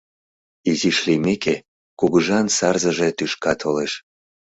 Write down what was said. Изиш лиймеке, кугыжан сарзыже тӱшка толеш.